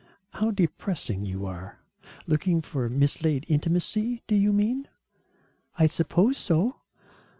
"How depressing you are. Looking for mislaid intimacy, do you mean?" "I suppose so."